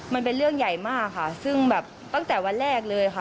มันเป็นเรื่องใหญ่มากค่ะซึ่งแบบตั้งแต่วันแรกเลยค่ะ